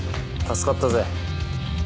助かったぜ。